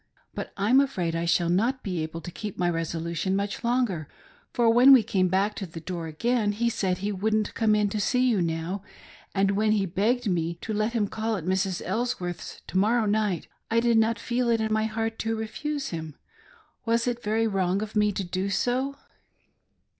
But I'm afraid I shall not be able to keep my resolution much longer, for when we came back to the door again he said he wouldn't come in to see you now, and when he begged me to let him call at Mrs. Elsworth's to mor row night, I did not feel it in my heart to refuse him ;— was it very wrong of me to do so